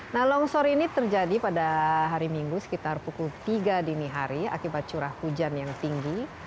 nah longsor ini terjadi pada hari minggu sekitar pukul tiga dini hari akibat curah hujan yang tinggi